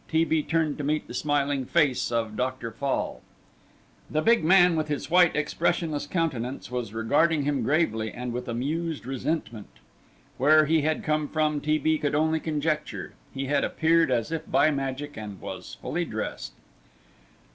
T. B. turned to meet the smiling face of Dr. Fall. The big man, with his white, expressionless countenance, was regarding him gravely, and with amused resentment. Where he had come from T. B. could only conjecture; he had appeared as if by magic and was fully dressed.